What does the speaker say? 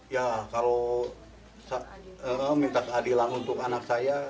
ya kalau minta keadilan untuk anak saya